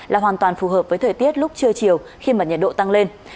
là hoàn toàn phù hợp với thời tiết lúc trưa chiều khi mà nhiệt độ tăng lên